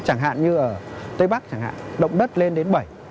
chẳng hạn như ở tây bắc động đất lên đến bảy